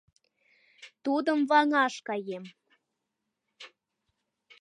Тудым ваҥаш каем.